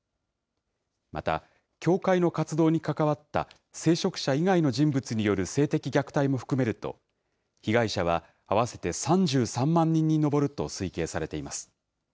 また、教会の活動に関わった聖職者以外の人物による性的虐待も含めると、被害者は合わせて３３万人に上ると推計されています。